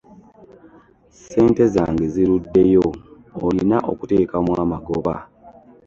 Ssente zange ziruddeyo olina okuteekamu amagoba.